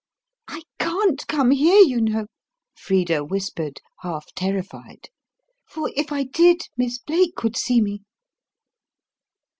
"I can't come here, you know," Frida whispered, half terrified; "for if I did, Miss Blake would see me."